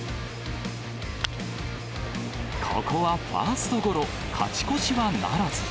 ここはファーストゴロ、勝ち越しはならず。